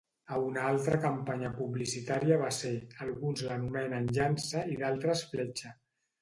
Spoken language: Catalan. A una altra campanya publicitària va ser "alguns l'anomenen llança i d'altres fletxa".